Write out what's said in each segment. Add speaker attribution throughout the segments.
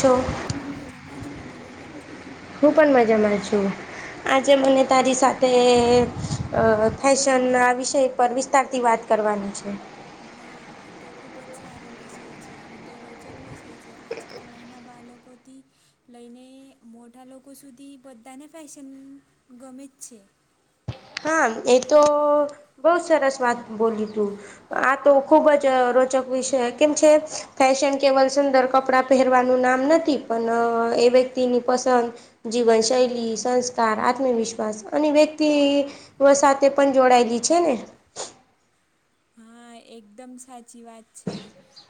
Speaker 1: છો
Speaker 2: હું મજામાં જું તમે કેમ છો
Speaker 1: હું પણ મજામાં છું. આજે મને તારી સાથે ફેશન ના વિષય પર વિસ્તાર વાત કરવાની છે
Speaker 2: વાહ આ તો ખુબ જ સારો વિષય છે અને તો રોચક વિષય છે આજ કાલ નાના બાળોકોથી લઈને મોટા લોકો સુધી બધાને ફેશન ગમે જ છે
Speaker 1: હા એ તો બહુ સરસ વાત બોલી તું આ તો ખુબ જ રોચક વિષય કેમ છે ફેશન કેવલ સુંદર કપડા પહેરવાનું નામ નથી પણ એ વ્યક્તિની પસંદ જીવન શૈલી સંસ્કાર આત્મવિશ્વાસ અને વ્યક્તિ વ સાથે પણ જોડાયેલી છે ને
Speaker 2: હા એકદમ સાચી વાત છે.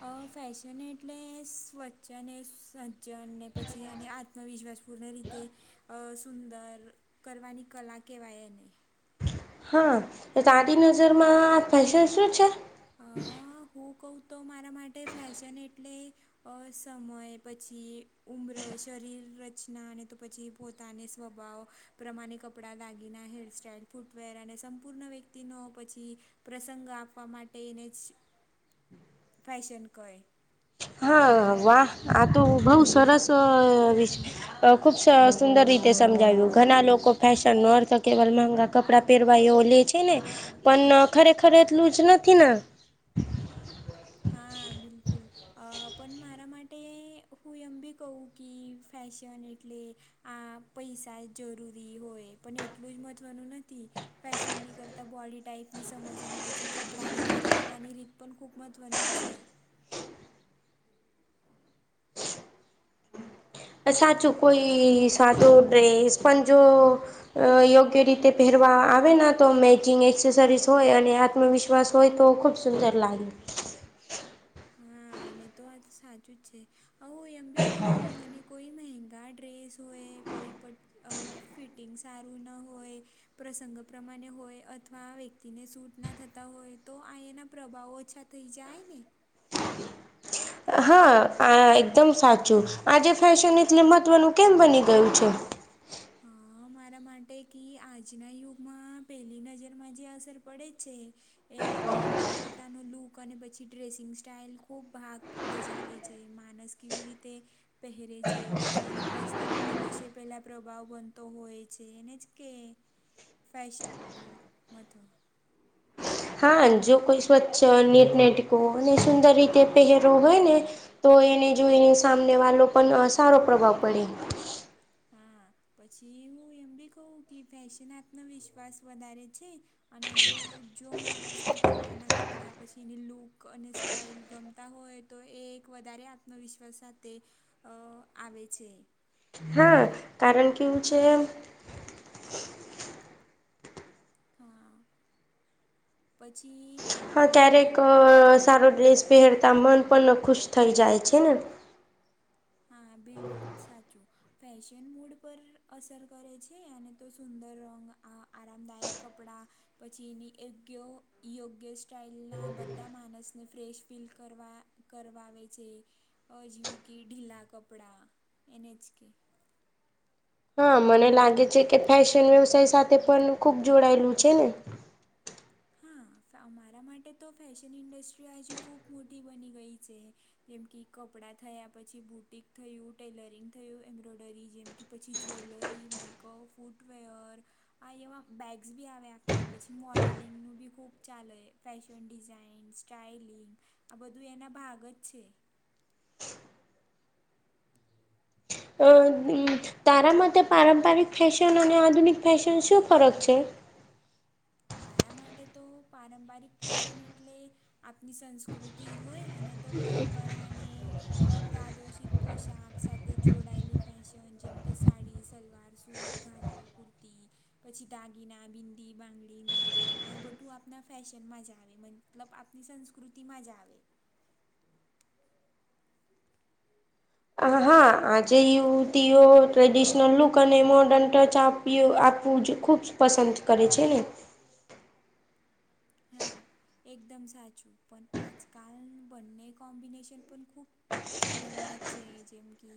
Speaker 2: અ ફેશન એટલે સ્વચ્છને સજ્જનને પછી અને આ ન વિશ્વાસપૂર્ણ રીતે સુંદર કરવાની કલા કહેવાય એને
Speaker 1: હા તારી નજર માં ફેશન શું છે.
Speaker 2: અ હું કહું તો મારા માટે ફેશન એટલે અ સમય પછી ઉમ્ર શરીર રચનાને તો પછી પોતાને સ્વભાવ પ્રમાણે કપડાં દાગીના હેરસ્ટાઈઇલ ફૂટવેર અને સંપૂર્ણ વ્યક્તિ ઈનો પછી પ્રસંગ આપવા માટે એને જ ફેશન કય
Speaker 1: હા વાહ આ તો બહું સરસ વિ છે ખુબ સુંદર રીતે સમજાવ્યું ઘણા લોકો ફેશન નો અર્થ કેવલગા કપડાં પહેરવા એવુ લે છે ને પણ ખરેખર એટલું જ નથી ને
Speaker 2: હા બિલકુલ અ પણ મારા માટે હું એમ બી કહું કે ફેશન એટલે આ પૈસા જરૂરી હોય પણ એટલું જ મહત્વનું નથી. ફેશનની કરતાં બોડી ટાઈપની સમજીને પછી કપડાંને કેરી કરવાની રીત પણ ખૂબ જ ધ્વનિ છેે.
Speaker 1: અ સાચું કોઈ સાદો ડ્રેસ પણ જો અ યોગ્ય રીતે પહેરવા આવે તો મેચિંગ એસેસરીસ હોય અને આત્મવિશ્વા શ્વાસ હોય તો ખૂબ સુંદર લાગે.
Speaker 2: હા અને તો આજ સાચું જ છે. આવું એમ બી કહું કે અને કોઈ મહેંગા ડ્રેસ હોય કોઈ પ અ ફિટિંગ સારું ન હોય. પ્રસંગ પ્રમાણે હોય અથવા વ્યક્તિને સૂટ ના થતા હોય તો આ એના પ્રભાવો. થઈ જાયને.
Speaker 1: હા આ એકદમ સાચું આજે ફેશન એટલે મહત્વનું કેમ બની ગયું છે.
Speaker 2: હા
Speaker 1: [inaudible]
Speaker 2: મારા માટે કે આજના યુગમાં પહેલી નજરમાં જે અસર પડે જ છે. એ એમાં પોતાનો લૂક અને પછી ડ્રેસિંગ સ્ટાઈલ ખૂબ ભાગ ભજાવે છે. જે માણસ કેવી રીતે પહેરે છે પછી એની પર્સનાલિટી વિશે પેલા પ્રો ભાવ બનતો હોય છે એને જ કે ફેશન
Speaker 1: હા જો કોઈ સ્વચ્છ નીટનેટકો અને સુંદર રીતે પહેરો હોય ને. તો એને જોઈને સામનેવાલો પણ સારો પ્રભાવ પડે.
Speaker 2: હા પછી હું એમ બી કહું કે ફેશન આત્મવિશ્વાસ વધારે છે. અને તો જો માણસને પોતાના કપડાં પછી એની લૂક અને સ્ટાઇલ ગમતા હોય તો એ એક વધારે આત્મવિશ્વાસ સાથે આવે છે.
Speaker 1: હા. કારણ કેવું છે.
Speaker 2: હા પછી.
Speaker 1: હા ક્યારેક
Speaker 2: બિલકુલ
Speaker 1: સારો ડ્રેસ પહેરતા મન પણ ખુશ થઈ જાય છે ને.
Speaker 2: હા બિલકુલ સાચું. ફેશન મૂડ પર અસર કરે છે અને તો સુંદર રંગ આ આરામદાયક કપડાં પછી એની યોગ્ય યોગ્ય સ્ટાઇલના બધા માણસને ફ્રેશ ફીલ કરવા. કરવા આવે છે અજીવું કે ઢીલા કપડાં એને જ કે.
Speaker 1: હા મને લાગે છે કે ફેશન વ્યવસાય સાથે પણ ખુબ જોડાયેલું છે ને.
Speaker 2: હા અમારા માટે તો ફેશન ઇન્ડસ્ટ્રી હજી ખૂબ મોટી બની ગઈ છે. જેમ કે કપડાં થયા પછી બુટિક થયું ટેલરિંગ થયું એમ્બ્રોઇડરી જેમ કે પછી જ્વેલરી મેકઅપ ફૂટવેર. આ એવા બેગ્સ બી આવે આપના પછી મોડન. લિંગનું બી ખૂબ ચાલે ફેશન ડિઝાઇન સ્ટાઇલિંગ. આ બધું એના ભાગ જ છે.
Speaker 1: અ. તારા માટે પારંપરિક ફેશન અને આધુનિક ફેશન શું ફરક છે.
Speaker 2: મારા માટે તો પારંપરિક ફેશન એટલે. આપની સંસ્કૃતિ હોય અને તો પરંપરાને. અપ્રાદોષિક પોશાક સાથે જોડાયેલી ફેશન જેમકે સાડી સલવાર સૂટ. ઘાગડું કુર્તી પછી દાગીના બિંદી બાંગડી. આઈ બટું આપના ફેશનમાં જ આવે મતલબ આપની સંસ્કૃતિમાં જ આવે.
Speaker 1: હા આજે યુવતીઓ ટ્રેડિશનલ લુક અને મોડર્ન ટચ આપ. ઉપયોગ આપવું જ ખૂબ પસંદ કરે છે ને.
Speaker 2: હા એકદમ સાચું પણ આજકાલ બંને કોમ્બિનેશન પણ ખૂબ. ચલનમાં છે જેમ કે.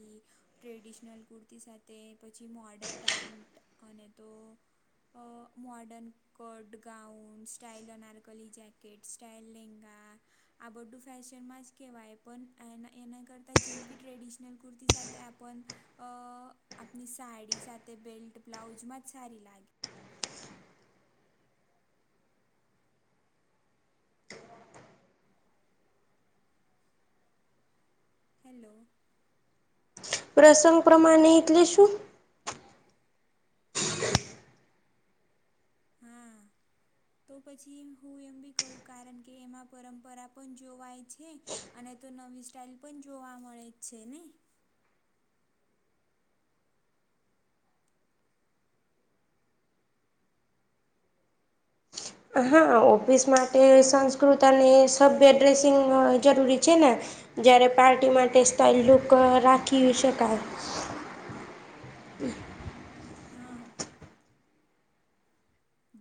Speaker 2: ટ્રેડિશનલ કુર્તી સાથે પછી મોડલ પેન્ટ અને તો. અ મોર્ડન કટ ગાઉન્સ. સ્ટાઈલો નરકોલી જાકેટ સ્ટાઈલ લિંગા. આબડ્ડું ફેશનમાં જ કેવાય પણ એ એના કરતા જેમ કે ટ્રેડિશનલ કુર્તી સાથે આપણ. અ આપની સાડી સાથે બેલ્ટ બ્લાઉઝમાં જ સારી લાગી. હેલો.
Speaker 1: પ્રસંગ પ્રમાણે એટલે શું?
Speaker 2: હા તો પછી હું એમ બી કહું કારણ કે એમાં પરંપરા પણ જોવાય છે. અને તો નવી સ્ટાઇલ પણ જોવા મળે જ છે. ને
Speaker 1: હા ઓફિસ માટે સંસ્કૃત અને સભ્ય ડ્રેસિંગ જરૂરી છે. ને જય્યારે પાર્ટી માટે સ્થાયુક રાખી શકાય
Speaker 2: હા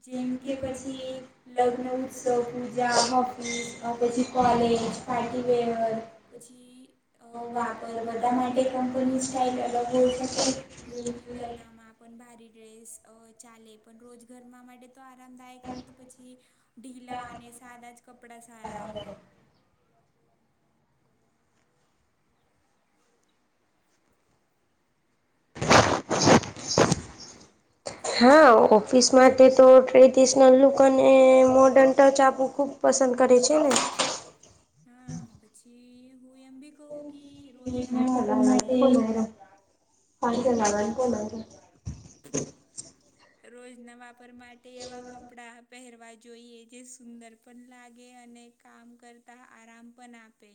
Speaker 2: જેમ કે પછી લગ્ન ઉત્સવ પૂજા ઓફિસ પછી કોલેજ- પાર્ટીવેયર પછી વાપર બધા માટે કંપની સ્ટાઇલ અલગ હોય છેકે- કે જેમ કે લગ્નમાં પણ ભારી ડ્રેસ ચાલે પણ રોજ ઘરમાં માટે તો આરામદાયક અને તો પછી ઢીલા અને સાદા જ કપડા સારા હોય
Speaker 1: [inaudible] [inaudible] હા ઓફિસ માટે તો ટ્રેડિશનલ લુક અને મોર્ડન ટચ આપું ખુબ પસંદ કરે છે ને
Speaker 2: હા પછી હું એમ બી કહ કે- રોજના વાપર માટે
Speaker 1: પા [unintelligible]
Speaker 2: રોજના વાપર માટે એવા કપડાં પહેરવા જ જોઈએ જે સુંદર પણ લાગે અને કામ કરતા આરામ પણ આપે